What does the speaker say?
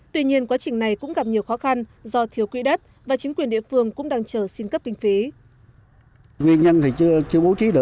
tuy nhiên quá trình này cũng gặp nhiều khó khăn do thiếu quỹ đất và chính quyền địa phương cũng đang chờ xin cấp kinh phí